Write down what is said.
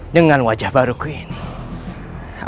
dengan wajah baruku ini